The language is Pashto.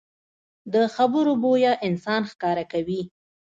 د خبرو بویه انسان ښکاره کوي